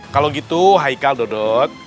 kalau gitu haikal dodot